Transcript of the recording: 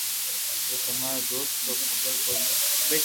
او تماري دوست نو خبر ڪوئي ھي